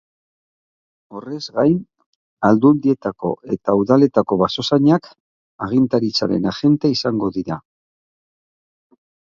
Horrez gain, aldundietako eta udaletako basozainak agintaritzaren agente izango dira.